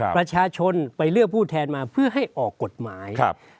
ประชาชนไปเลือกผู้แทนมาเพื่อให้ออกกฎหมาย